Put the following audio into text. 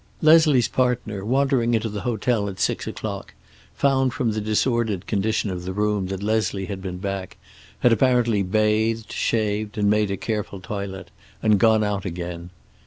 Leslie's partner, wandering into the hotel at six o'clock, found from the disordered condition of the room that Leslie had been back, had apparently bathed, shaved and made a careful toilet, and gone out again.